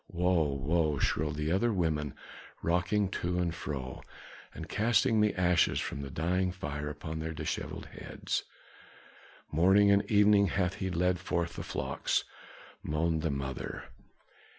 "Woe! Woe!" shrilled the other women, rocking to and fro, and casting the ashes from the dying fire upon their dishevelled heads. "Morning and evening hath he led forth the flocks!" moaned the mother.